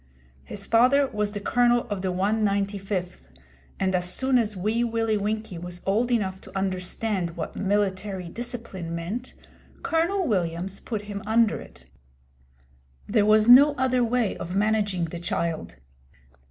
His father was the Colonel of the 195th, and as soon as Wee Willie Winkie was old enough to understand what Military Discipline meant, Colonel Williams put him under it. There was no other way of managing the child.